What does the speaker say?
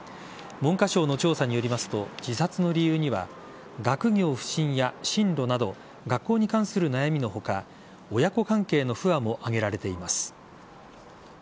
文科省の調査によりますと自殺の理由には学業不振や進路など学校に関する悩みの他親子関係の不和もあげられています。